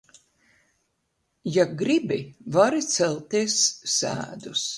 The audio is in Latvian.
Ja gribi, vari celties sēdus.